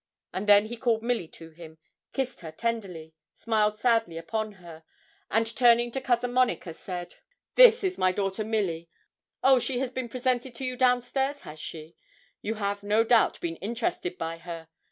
And then he called Milly to him, kissed her tenderly, smiled sadly upon her, and turning to Cousin Monica, said 'This is my daughter Milly oh! she has been presented to you down stairs, has she? You have, no doubt, been interested by her.